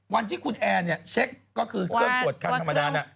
วันที่คุณแอร์เนี่ยเช็คก็คือเครื่องตรวจคันธรรมดาน่ะ